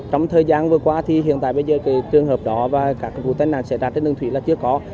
trong thời gian vừa qua thì hiện tại bây giờ cái trường hợp đó và các vụ tai nạn xảy ra trên đường thủy là chưa có